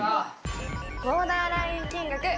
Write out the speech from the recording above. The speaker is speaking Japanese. ボーダーライン金額